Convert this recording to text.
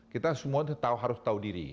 kita semua harus tahu diri